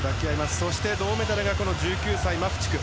そして銅メダルが１９歳、マフチフ。